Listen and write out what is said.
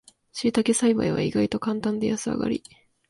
しいたけ栽培は意外とカンタンで安上がり